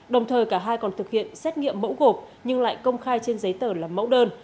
đồng thời cả hai còn thực hiện xét nghiệm mẫu gộp nhưng lại công khai trên giấy tờ là mẫu đơn